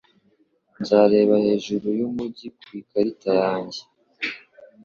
Nzareba hejuru yumujyi ku ikarita yanjye.